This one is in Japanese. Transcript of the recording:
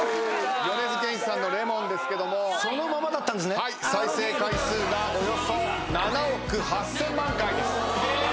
米津玄師さんの『Ｌｅｍｏｎ』ですけども再生回数がおよそ７億８，０００万回です。